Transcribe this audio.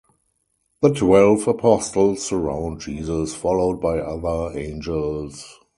The twelve apostles surround Jesus followed by other angles.